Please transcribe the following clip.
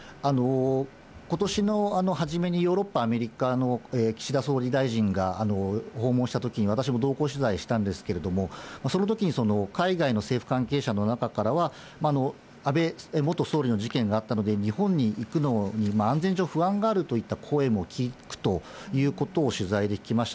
ことしの初めに、ヨーロッパ、アメリカの岸田総理大臣が訪問したときに、私も同行取材したんですけれども、そのときに、海外の政府関係者の中からは、安倍元総理の事件があったので、日本に行くのに安全上、不安があるといった声も聞くということを取材で聞きました。